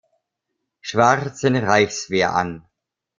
Schwarzen Reichswehr an.